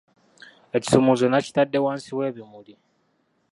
Ekisumuluzo nakitadde wansi w'ebimuli.